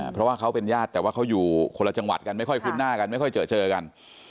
เพราะว่าเขาเป็นญาติแต่ว่าเขาอยู่คนละจังหวัดกันไม่ค่อยคุ้นหน้ากันไม่ค่อยเจอเจอกัน